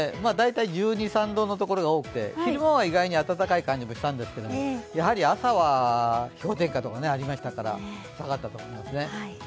大体１２１３度のところが多くて昼間は意外に暖かい感じがしたんですけどやはり朝は氷点下とかありましたから、下がったと思います。